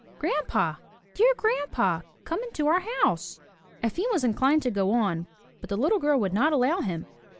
"Grandpa! Dear Grandpa! Come into our house!'' Efim was inclined to go on, but the little girl would not allow him.